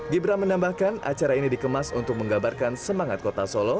gibran menambahkan acara ini dikemas untuk menggambarkan semangat kota solo